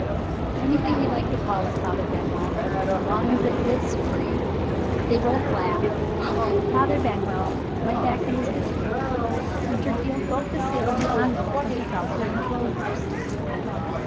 "Anything you like to call it, Father Benwell, so long as it is free." They both laughed. Father Benwell went back to his newspaper. Winterfield broke the seal of the envelope and took out the inclosures.